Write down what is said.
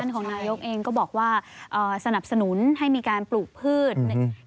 ของนายกเองก็บอกว่าสนับสนุนให้มีการปลูกพืช